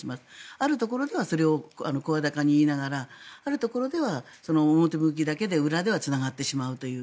あるところではそれを声高に言いながらあるところでは、表向きだけで裏ではつながってしまうという。